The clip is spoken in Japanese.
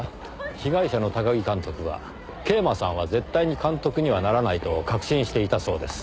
被害者の高木監督は桂馬さんは絶対に監督にはならないと確信していたそうです。